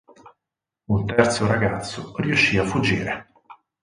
Un terzo ragazzo riuscì a fuggire.